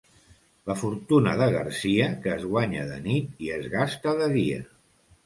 La fortuna de Garcia, que es guanya de nit i es gasta de dia.